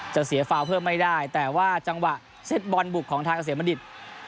จะเสียฟาวเพิ่มไม่ได้แต่ว่าจังหวะเซตบอลบุกของทางเกษมบัณฑิต